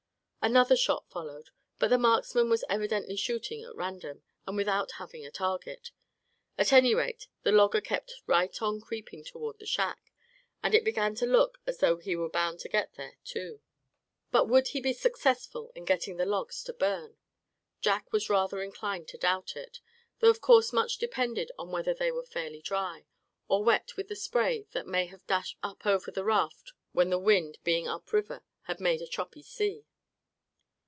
Another shot followed. But the marksman was evidently shooting at random, and without having a target. At any rate, the logger kept right on creeping toward the shack, and it began to look as though he were bound to get there, too. But would he be successful in getting the logs to burn? Jack was rather inclined to doubt it, though of course much depended on whether they were fairly dry, or wet with the spray that may have dashed up over the raft when the wind, being up river, had made a choppy sea.